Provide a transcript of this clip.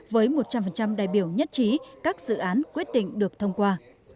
với một trăm linh đại biểu nhất trí các dự án quyết định được thông qua